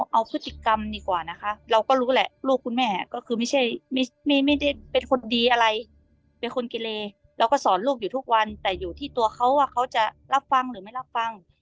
เอาพฤติกรรมดีกว่านะคะเราก็รู้แหละลูกคุณแม่ก็คือไม่ใช่ไม่ได้เป็นคนดีอะไรเป็นคนกิเลเราก็สอนลูกอยู่ทุกวันแต่อยู่ที่ตัวเขาว่าเขาจะรับฟังหรือไม่รับฟัง